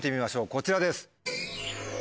こちらです。